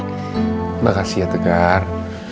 terima kasih yotegar